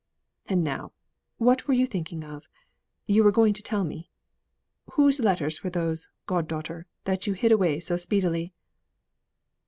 And now, what were you thinking of? you were going to tell me. Whose letters were those, god daughter, that you hid away so speedily?"